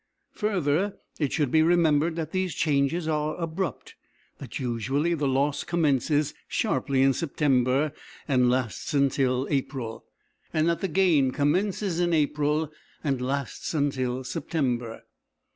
Further, it should be remembered that these changes are abrupt: that usually the loss commences, sharply, in September and lasts until April, and that the gain commences in April and lasts until September.